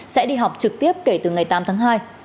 sẽ đi học trực tiếp kể từ ngày tám tháng hai